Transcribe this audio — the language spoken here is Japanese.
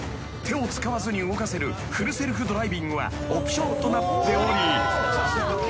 ［手を使わずに動かせるフルセルフドライビングはオプションとなっており］